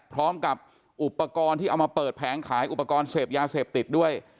พร้อมกับอุปกรณ์ที่เอามาเปิดแผงขายอุปกรณ์เสพยาเสพติดด้วย